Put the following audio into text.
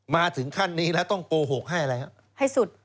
มาถึงขั้นนี้แล้วต้องโกหกให้อะไรครับ